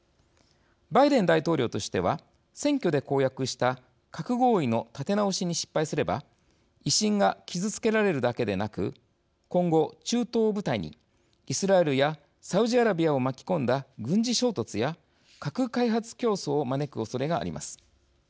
バイデン大統領としては選挙で公約した核合意の立て直しに失敗すれば威信が傷つけられるだけでなく今後、中東を舞台にイスラエルやサウジアラビアを巻き込んだ軍事衝突や核開発競争を招くおそれがあります。